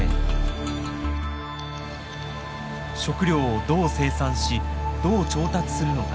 食料をどう生産しどう調達するのか。